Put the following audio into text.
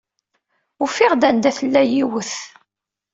Ufiɣ-d anda tella yiwet.